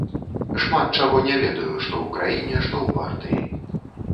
Шмат чаго не ведаю, што ў краіне, што ў партыі.